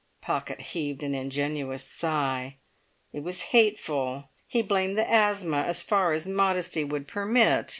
Pocket heaved an ingenuous sigh. It was hateful. He blamed the asthma as far as modesty would permit.